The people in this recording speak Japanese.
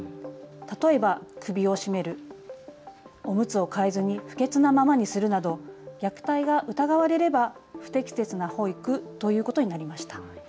例えば首を絞める、おむつを替えずに不潔なままにするなど虐待が疑われれば不適切な保育ということになりました。